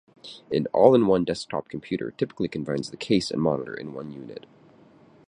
An "all-in-one desktop computer" typically combines the case and monitor in one unit.